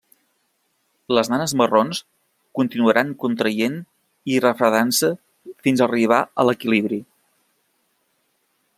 Les nanes marrons continuaran contraient i refredant-se fins a arribar a l'equilibri.